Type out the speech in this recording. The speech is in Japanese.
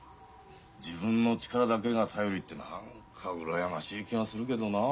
自分の力だけが頼りって何か羨ましい気がするけどなあ。